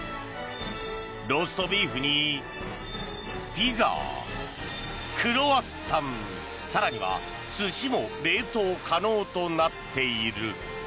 ローストビーフにピザ、クロワッサン更には寿司も冷凍可能となっている。